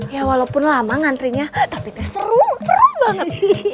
ya walaupun lama ngantrinya tapi teh seru seru banget